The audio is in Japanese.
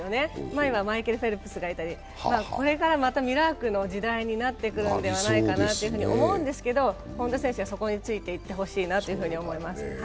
前はマイケル・フェルプスがいたりこれからまたミラークの時代になってくるのではないかなと思うんですけど、本多選手は、そこについていってほしいなと思います。